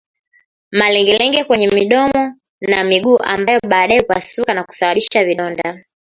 Malengelenge kwenye mdomo na miguu ambayo baadaye hupasuka na kusababisha vidonda